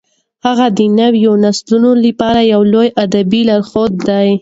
هغه د نوو نسلونو لپاره یو لوی ادبي لارښود دی.